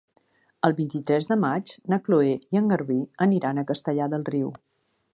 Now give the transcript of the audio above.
El vint-i-tres de maig na Cloè i en Garbí aniran a Castellar del Riu.